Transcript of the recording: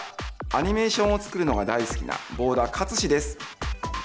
アニメーションをつくるのが大好きな保田克史です。